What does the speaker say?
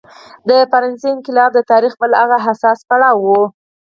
د فرانسې انقلاب د تاریخ بل هغه حساس پړاو و.